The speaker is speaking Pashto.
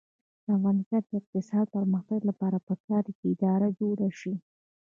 د افغانستان د اقتصادي پرمختګ لپاره پکار ده چې اداره جوړه شي.